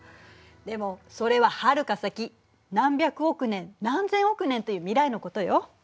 でもそれははるか先何百億年何千億年という未来のことよ。